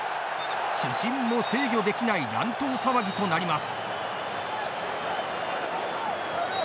主審も制御できない乱闘騒ぎとなります。